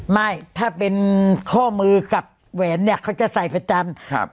ไม่ถ้าเป็นข้อมือกับแหวนเนี่ยเขาจะใส่ประจำครับ